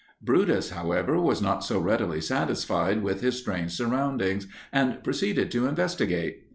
"Brutus, however, was not so readily satisfied with his strange surroundings and proceeded to investigate.